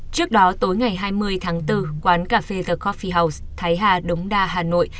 trước đó tối ngày hai mươi tháng bốn quán cà phê the coffi house thái hà đống đa hà nội